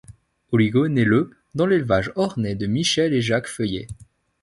Oligo nait le dans l'élevage ornais de Michel et Jacques Feuillet.